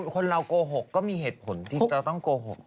คนเราโกหกก็มีเหตุผลที่เราต้องโกหก